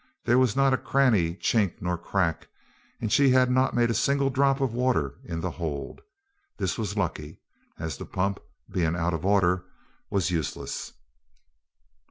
There was not a cranny, chink, nor crack; and she had not made a single drop of water in the hold. This was lucky, as the pump, being out of order, was useless.